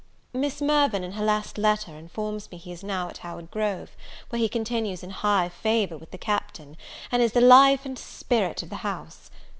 Miss Mirvan, in her last letter, informs me that he is now at Howard Grove, where he continues in high favour with the Captain, and is the life and spirit of the house.